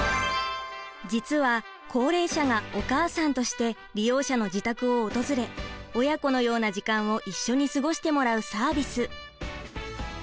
実は高齢者がお母さんとして利用者の自宅を訪れ親子のような時間を一緒に過ごしてもらうサービス。